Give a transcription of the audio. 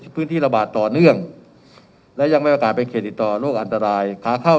พื้นที่ระบาดต่อเนื่องและยังไม่ประกาศเป็นเขตติดต่อโรคอันตรายขาเข้า